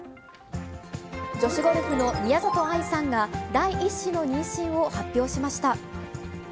女子ゴルフの宮里藍さんが、第１子の妊娠を発表しました。